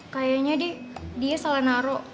kayaknya deh dia salah naro